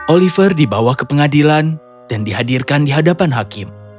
oliver dibawa ke pengadilan dan dihadirkan di hadapan hakim